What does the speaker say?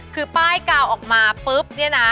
คือป้ายกาวออกมาปุ๊บเนี่ยนะ